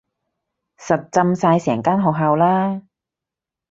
實浸晒成間學校啦